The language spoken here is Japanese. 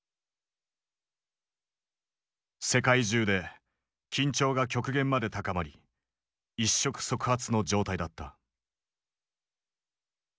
世界中で緊張が極限まで高まり一触即発の状態だった。